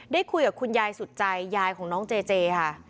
ได้คุยกับคุณยายสุดใจยายของน้องเจเจค่ะ